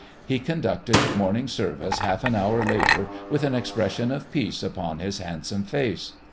He conducted morning service half an hour later with an expression of peace upon his handsome face.